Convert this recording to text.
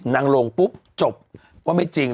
ลงปุ๊บจบว่าไม่จริง